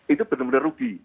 itu benar benar rugi